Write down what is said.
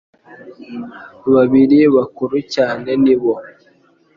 Babiri bakuru cyane ni bo